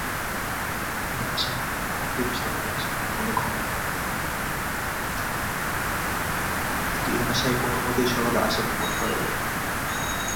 কিন্তু এ ভাষায় কেনোমতেই সরলা আশাকে মনে করাইয়া দেয় না।